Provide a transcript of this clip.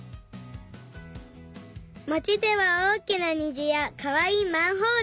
まちではおおきなにじやかわいいマンホール。